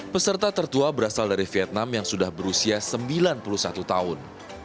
peserta tertua berasal dari vietnam yang sudah berusia sembilan puluh satu tahun